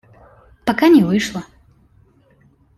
Пока не вышло.